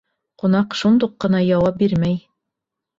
Ҡунаҡ шундуҡ ҡына яуап бирмәй.